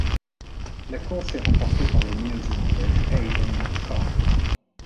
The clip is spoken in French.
La course est remportée par le Néo-zélandais Hayden McCormick.